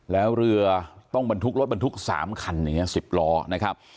แล้วเรือต้องบรรทุกรถบรรทุก๓คันอย่างนี้๑๐ล้อนะครับ